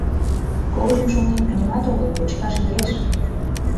Когыльым, шонем, нимат огыл, кочкаш лиеш.